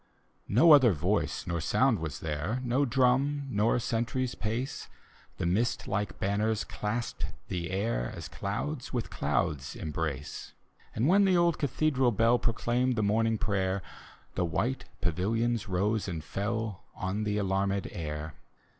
No other voice nor sound was there. No drum nor sentry's pace, The mist like banners clasped the air As clouds with clouds embrace. And when the old cathedral bell Proclaimed the morning prayer, The white pavilions rose and fell On the alanned air.